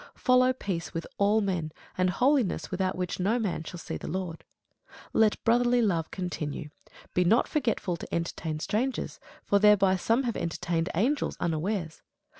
Follow peace with all men, and holiness, without which no man shall see the Lord. Let brotherly love continue. Be not forgetful to entertain strangers: for thereby some have entertained angels unawares.